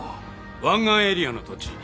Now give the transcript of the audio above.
湾岸エリアの土地